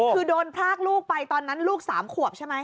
คือโดนพรากลูกไปตอนนั้นลูก๓ขวบใช่ไหม